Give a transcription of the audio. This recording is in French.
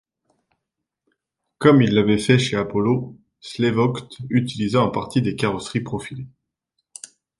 Comme il l’avait fait chez Apollo, Slevogt utilisa en partie des carrosseries profilées.